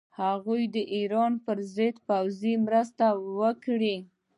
هغوی د ایران پر ضد پوځي مرسته وکړي.